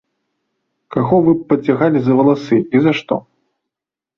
Каго вы б пацягалі за валасы, і за што?